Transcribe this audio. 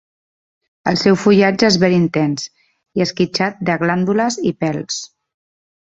El seu fullatge és verd intens i esquitxat de glàndules i pèls.